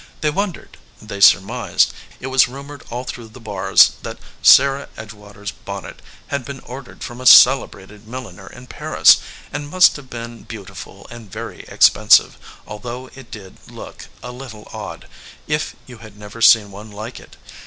They won dered ; they surmised. It was rumored all through the Barrs that Sarah Edgewater s bonnet had been ordered from a celebrated milliner in Paris, and must have been beautiful and very expensive, al though it did look a little odd if you had never seen one like it.